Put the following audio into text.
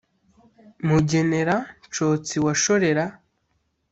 Mugenera-nshotsi wa Shorera